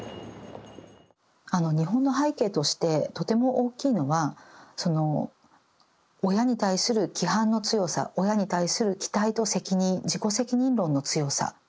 日本の背景としてとても大きいのはその親に対する規範の強さ親に対する期待と責任自己責任論の強さ。